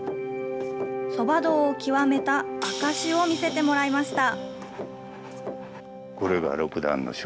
そば道を究めた証しを見せてもらいました。